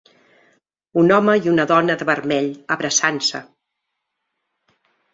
Un home i una dona de vermell abraçant-se.